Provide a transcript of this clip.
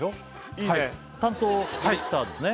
いいね担当ディレクターですね